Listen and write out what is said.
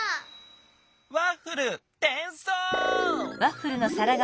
ワッフルてんそう！